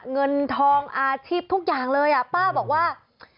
เงินทองอาชีพทุกอย่างเลยป้าบอกว่า